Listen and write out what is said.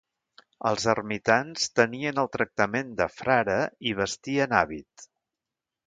Els ermitans tenien el tractament de frare i vestien hàbit.